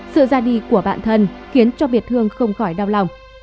sự ra đi của bạn thân khiến cho việt hương không khỏi đau lòng